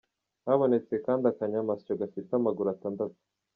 Hanabonetse kandi akanyamasyo gafite amaguru atandatu.